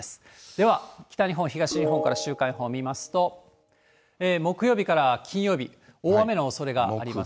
では北日本、東日本から週間予報見ますと、木曜日から金曜日、大雨のおそれがあります。